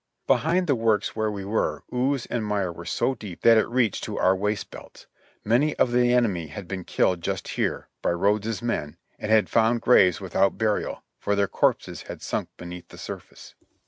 Behind the works where we were, ooze and mire were so deep that it reached to our waist belts. Many of the enemy had been killed just here, by Rodes's men, and had found graves without burial, for their corpses had sunk beneath the surface.